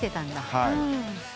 はい。